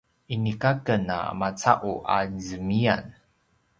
inika aken a maca’u a zemiyan